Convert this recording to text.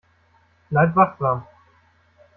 Bleib wachsam.